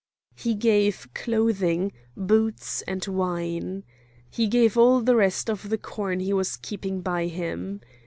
He gave clothing, boots, and wine. He gave all the rest of the corn that he was keeping by him.